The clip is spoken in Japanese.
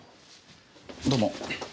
どうも。